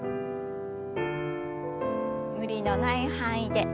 無理のない範囲で。